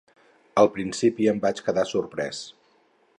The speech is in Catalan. Al principi em vaig quedar sorprés...